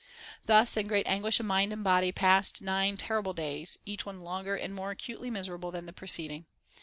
Thus in great anguish of mind and body passed nine terrible days, each one longer and more acutely miserable than the preceding.